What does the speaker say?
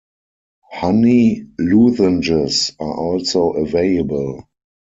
Honey lozenges are also available.